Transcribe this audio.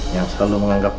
yang selalu menganggapmu